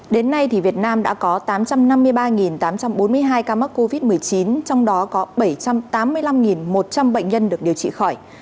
đến nay việt nam đã có tám trăm năm mươi ba tám trăm bốn mươi hai ca mắc covid một mươi chín trong đó có bảy trăm tám mươi năm một trăm linh bệnh nhân được điều trị khỏi